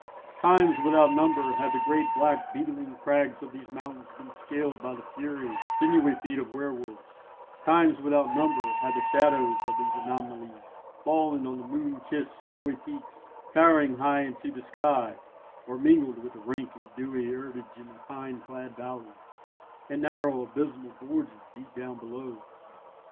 Times without number have the great black beetling crags of these mountains been scaled by the furry, sinewy feet of werwolves; times without number have the shadows of these anomalies fallen on the moon kissed, snowy peaks, towering high into the sky, or mingled with the rank and dewy herbage in the pine clad valleys, and narrow abysmal gorges deep down below.